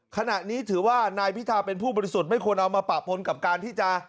ขณะนี้ถือว่านายพิธาเป็นผู้บริสุทธิ์ไม่ควรเอามาปะปนกับการที่จะ